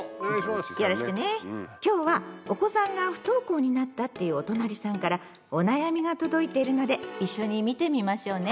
今日はお子さんが不登校になったっていうおとなりさんからお悩みが届いてるので一緒に見てみましょうね。